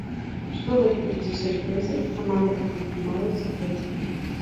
Што гэта будуць за сюрпрызы, каманда пакуль трымае ў сакрэце.